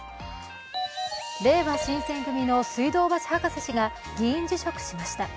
れいわ新選組の水道橋博士氏が議員辞職しました。